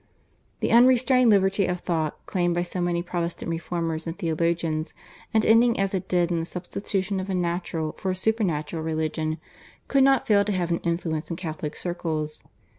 The unrestrained liberty of thought, claimed by so many Protestant reformers and theologians and ending as it did in the substitution of a natural for a supernatural religion, could not fail to have an influence in Catholic circles.